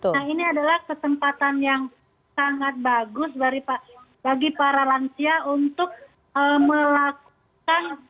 nah ini adalah kesempatan yang sangat bagus bagi para lansia untuk melakukan